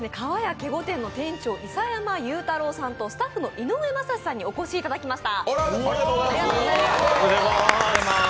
警固店の諫山裕太郎さんとスタッフの井上雅史さんにお越しいただきました。